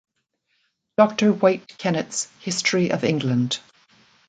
Doctor White Kennett's "History of England".